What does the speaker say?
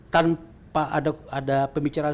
tanpa ada pembicaraan